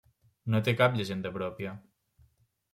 No té cap llegenda pròpia.